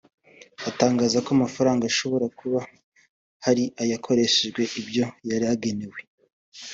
atangaza ko amafaranga ashobora kuba hari ayakoreshejwe ibyo yari agenewe